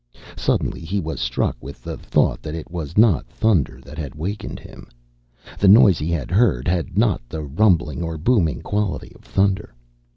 Suddenly he was struck with the thought that it was not thunder that had wakened him. The noise he had heard had not the rumbling or booming quality of thunder.